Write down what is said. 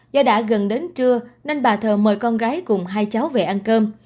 do đã gần đến trưa nên bà thợ mời con gái cùng hai cháu về ăn cơm